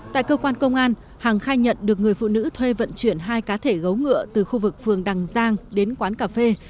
tại cơ quan công an hằng khai nhận được người phụ nữ thuê vận chuyển hai cá thể gấu ngựa từ khu vực phường đằng giang đến quán cà phê